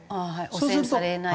汚染されない。